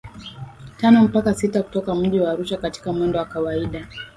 Tano mpaka sita kutoka mji wa Arusha katika mwendo wa kawaida